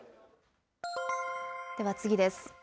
では次です。